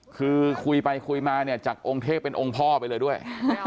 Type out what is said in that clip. คือคุยไปคุยมาเนี่ยจากองค์เทพเป็นองค์พ่อไปเลยด้วย